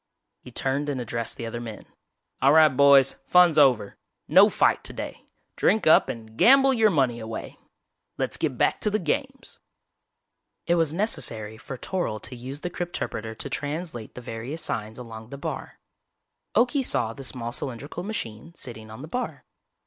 He turned and addressed the other men. "All right, boys, fun's over! No fight today! Drink up and gamble your money away. Let's get back to the games." It was necessary for Toryl to use the crypterpreter to translate the various signs along the bar. Okie saw the small cylindrical machine sitting on the bar.